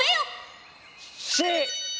Ｃ！